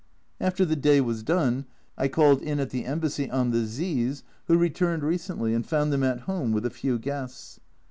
After the day was done I called in at the Embassy on the Z s, who returned recently, and found them at home with a few guests.